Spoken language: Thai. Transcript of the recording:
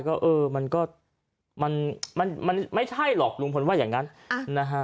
ก็เออมันก็มันไม่ใช่หรอกลุงพลว่าอย่างนั้นนะฮะ